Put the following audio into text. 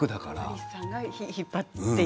広瀬さんが引っ張っていく。